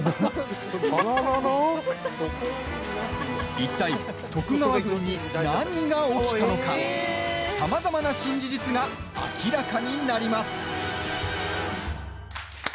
いったい、徳川軍に何が起きたのかさまざまな新事実が明らかになります。